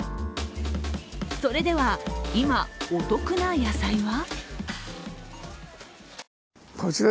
それでは、今、お得な野菜は？